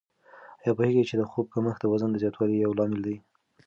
آیا پوهېږئ چې د خوب کمښت د وزن د زیاتوالي یو لامل دی؟